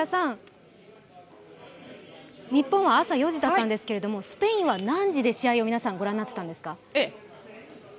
日本は朝４時だったんですけれどもスペインは何時で試合を皆さん、ご覧になってたんですか？